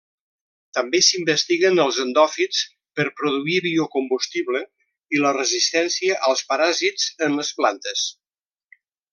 També s'investiguen els endòfits per produir biocombustible i la resistència als paràsits en les plantes.